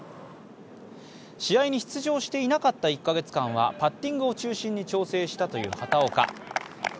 試合に出場していなかった１カ月間はパッティングを中心に調整したという畑岡。